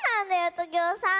トゲオさん。